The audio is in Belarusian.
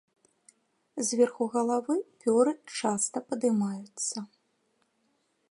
Зверху галавы пёры часта падымаюцца.